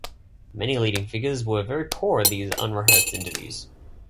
Many leading figures were very poor at these unrehearsed interviews.